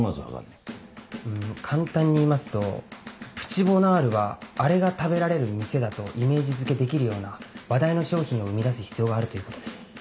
ん簡単に言いますと「プチボナールはあれが食べられる店」だとイメージ付けできるような話題の商品を生み出す必要があるということです。